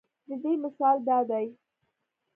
د دې مثال دا دے